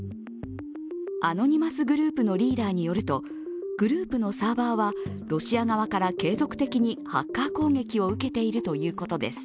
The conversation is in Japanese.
アノニマスグループのリーダーによると、グループのサーバーはロシア側から継続的にハッカー攻撃を受けているということです。